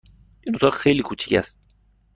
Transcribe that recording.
این اتاق خیلی کوچک است.